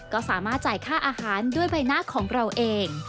ก็สามารถจ่ายค่าอาหารด้วยใบหน้าของเราเอง